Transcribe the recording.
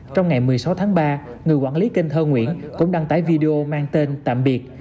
trong ngày một mươi sáu tháng ba người quản lý kênh thơ nguyễn cũng đăng tải video mang tên tạm biệt